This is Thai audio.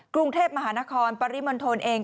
กรุงเทพมหานครปริมณฑลเอง